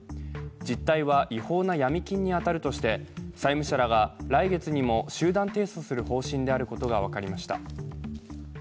実態は違法なヤミ金に当たるとして債務者らが来月にも集団提訴する方針であることが分かりました。